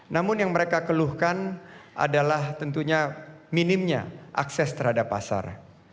namun yang mereka keluhkan adalah tentunya minimnya akses terhadap pasar